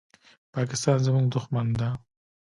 پاکستان زموږ دښمن ده.